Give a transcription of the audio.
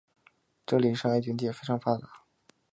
这里商业经济也十分发达。